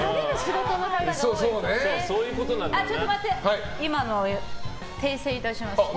ちょっと待って今の訂正いたします。